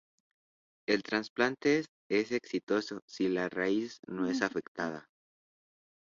El trasplante es exitoso si la raíz no es afectada.